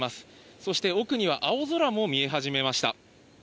そして奥には青空も見え始めました。